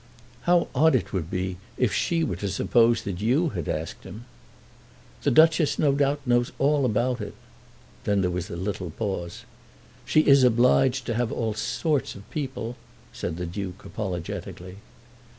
"How odd it would be if she were to suppose that you had asked him." "The Duchess, no doubt, knows all about it." Then there was a little pause. "She is obliged to have all sorts of people," said the Duke apologetically.